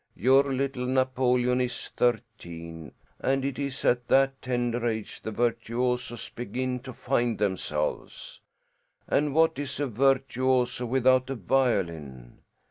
Your little Napoleon is thirteen, and it is at that tender age that virtuosos begin to find themselves. And what is a virtuoso without a violin?